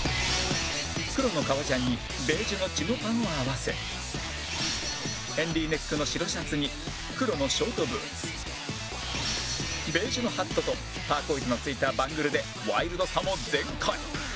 黒の革ジャンにベージュのチノパンを合わせヘンリーネックの白シャツに黒のショートブーツベージュのハットとターコイズのついたバングルでワイルドさも全開